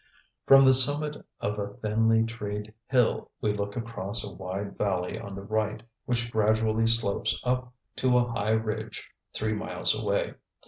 "_ From the summit of a thinly treed hill we look across a wide valley on the right which gradually slopes up to a high ridge three miles away.